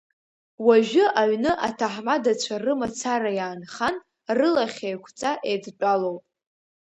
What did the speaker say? Уажәы аҩны аҭаҳмадацәа рымацара иаанхан, рылахь еиқәҵа еидтәалоуп.